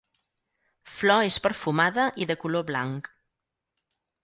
Flor és perfumada i de color blanc.